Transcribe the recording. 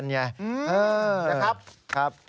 อืมนะครับครับ